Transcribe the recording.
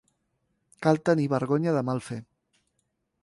Cal tenir vergonya de mal fer.